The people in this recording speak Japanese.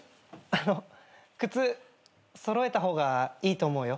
あの靴揃えた方がいいと思うよ。